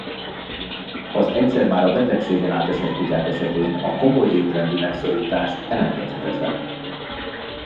Az egyszer már a betegségen átesett kutyák esetén a komoly étrendi megszorítás elengedhetetlen.